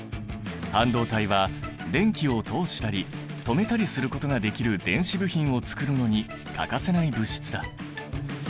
半導体は電気を通したり止めたりすることができる電子部品をつくるのに欠かせない物質だ。